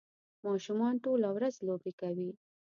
ماشومان ټوله ورځ لوبې کوي